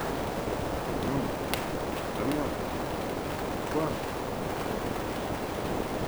Non… pas moi… toi…